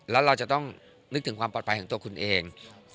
แล้วเราจะต้องนึกถึงความปลอดภัยของตัวคุณเอง